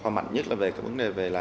khoa mạnh nhất là về khởi nghiệp